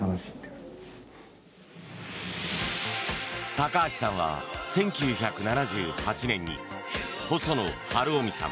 高橋さんは１９７８年に細野晴臣さん